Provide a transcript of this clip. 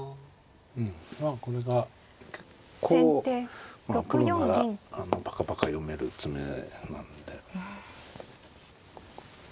うんまあこれが結構プロならパカパカ読める詰めなんで。